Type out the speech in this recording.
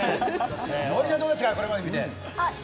王林ちゃん、どうですか、今まで見てて。